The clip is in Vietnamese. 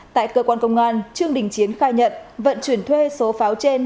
tại cơ quan công an trương đình chiến khai nhận vận chuyển thuê số pháo trên